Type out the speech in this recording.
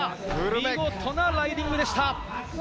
見事なライディングでした。